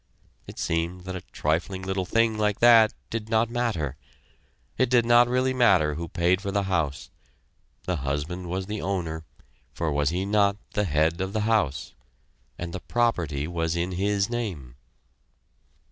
It seemed that a trifling little thing like that did not matter. It did not really matter who paid for the house; the husband was the owner, for was he not the head of the house? and the property was in his name.